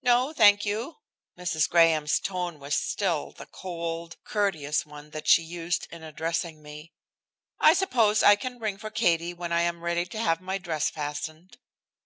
"No, thank you." Mrs. Graham's tone was still the cold, courteous one that she used in addressing me. "I suppose I can ring for Katie when I am ready to have my dress fastened?"